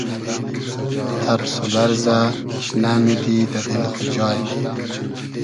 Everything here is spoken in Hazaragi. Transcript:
تئرس و لئرزۂ نئمیدی دۂ دیل خو جای